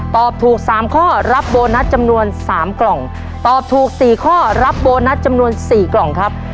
ตอบถูกสามข้อรับโบนัสจำนวนสามกล่องตอบถูกสี่ข้อรับโบนัสจำนวนสี่กล่องครับ